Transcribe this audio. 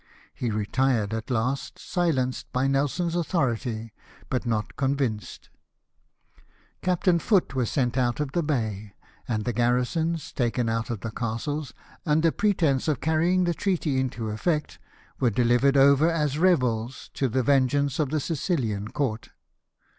He retired at last, silenced by Nelson's authority, but not convinced. Captain Foote was sent out of the bay ; and the garrisons, taken out of the castles, under pretence of carrying the treaty into effect, were delivered over as rebels to the vengeance of the Sicilian court.